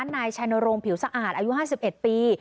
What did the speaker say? นายชายหน่วยโรงผิวสะอาดอายุ๕๑ปี